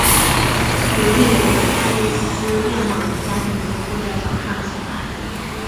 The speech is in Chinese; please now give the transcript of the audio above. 有位有着艾莉丝样貌的家庭主妇在早上醒来。